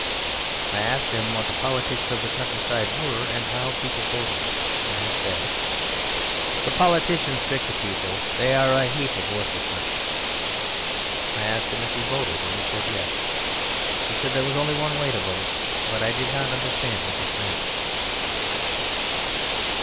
I asked him what the politics of the countryside were and how people voted. He said: "The politicians trick the people. They are a heap of worthlessness." I asked him if he voted, and he said "yes." He said there was only one way to vote, but I did not understand what this meant.